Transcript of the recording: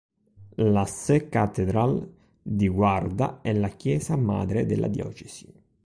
La "Sé Catedral", di Guarda è la chiesa madre della diocesi.